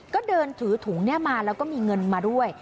ก็เดินถือถุงนี้มาแล้วก็มีเงินมาด้วย